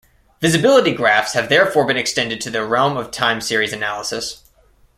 Visibility graphs have therefore been extended to the realm of time series analysis.